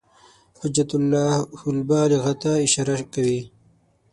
حجة الله البالغة ته اشاره کوي.